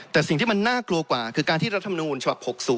แต่สิ่งที่มันน่ากลัวกว่าคือการที่รัฐมนูญฉบับ๖๐